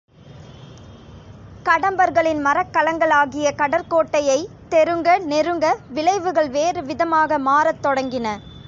கடம்பர்களின் மரக்கலங்களாகிய கடற்கோட்டையை தெருங்க நெருங்க விளைவுகள் வேறுவிதமாக மாறத் தொடங்கின.